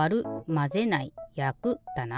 「まぜない」「やく」だな？